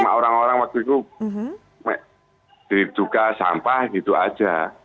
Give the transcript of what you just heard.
cuma orang orang waktu itu diduga sampah gitu aja